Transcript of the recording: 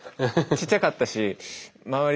ちっちゃかったし周り